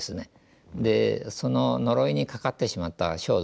その呪いにかかってしまった少女がですね